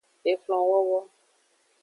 Exlonwowo.